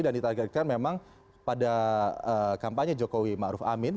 dan ditargetkan memang pada kampanye jokowi maruf amin